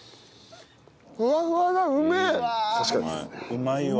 うまいわ。